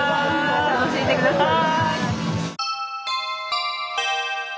楽しんで下さい。